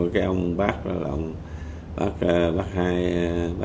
cái ông bác đó là ông bác hai võ